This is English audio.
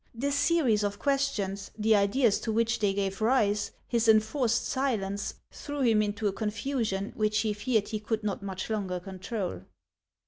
This series of questions, the ideas to which they gave rise, his enforced silence, threw him into a confusion which he feared he could not much longer control.